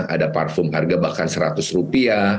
ada parfum harga bahkan rp seratus